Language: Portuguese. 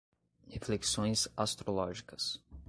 Reflexões astrológicas